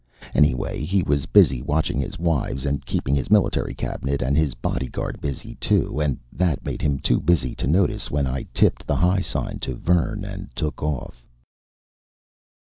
Anyway, he was busy watching his wives and keeping his military cabinet and his bodyguard busy too, and that made him too busy to notice when I tipped the high sign to Vern and took off.